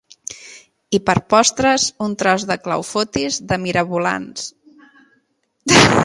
I per postres un tros de clafoutis de mirabolans